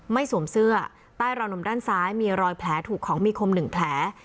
สวมเสื้อใต้ราวนมด้านซ้ายมีรอยแผลถูกของมีคม๑แผล